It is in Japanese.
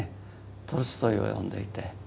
トルストイを読んでいて。